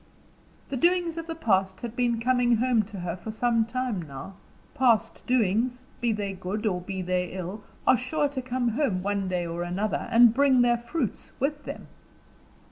The doings of the past had been coming home to her for some time now past doings, be they good or be they ill, are sure to come home, one day or another, and bring their fruits with them.